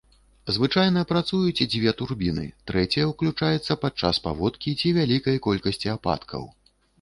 Звычайна працуюць дзве турбіны, трэцяя уключаецца падчас паводкі ці вялікай колькасці ападкаў.